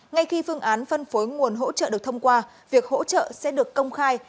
ngay khi phương án phân phối nguồn hỗ trợ được thông qua việc hỗ trợ sẽ được công khai